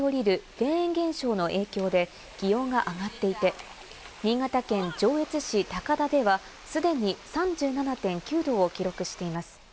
フェーン現象の影響で、気温が上がっていて、新潟県上越市高田では既に３７．９度を記録しています。